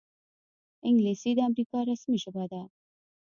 انګلیسي د امریکا رسمي ژبه ده